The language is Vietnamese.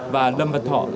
và lâm văn thọ